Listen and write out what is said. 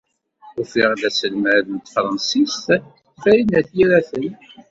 Ufiɣ-d aselmad n tefṛansit i Farid n At Yiraten.